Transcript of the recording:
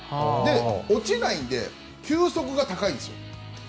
落ちないので球速が高いんです。